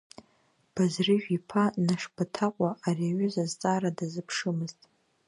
Базрыжә-иԥа Нашбаҭаҟәа ари аҩыза азҵаара дазыԥшымызт.